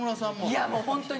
いやもうホントに。